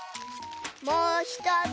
もうひとつ。